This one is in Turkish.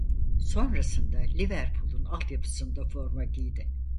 Sonrasında Liverpool'un altyapısında forma giydi.